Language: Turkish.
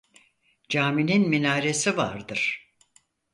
Caminin minaresi vardır.